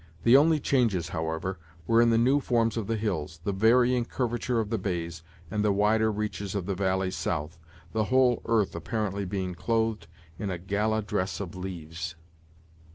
The only changes, however, were in the new forms of the hills, the varying curvature of the bays, and the wider reaches of the valley south; the whole earth apparently being clothed in a gala dress of leaves.